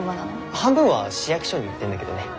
半分は市役所に行ってんだけどね。